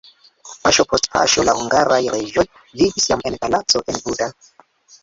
Paŝo post paŝo la hungaraj reĝoj vivis jam en palaco en Buda.